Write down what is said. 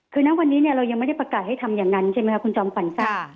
คือณวันนี้เรายังไม่ได้ประกาศให้ทำอย่างนั้นใช่ไหมครับคุณจอมขวัญค่ะ